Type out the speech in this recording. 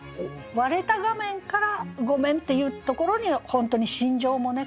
割れた画面から「ごめん」って言うところに本当に心情もね